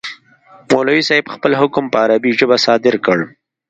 مولوي صاحب خپل حکم په عربي ژبه صادر کړ.